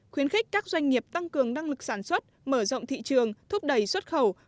khuyến khích các doanh nghiệp tăng cường năng lực sản xuất mở rộng thị trường thúc đẩy xuất khẩu